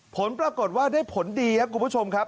ผลปรากฏว่าได้ผลดีครับคุณผู้ชมครับ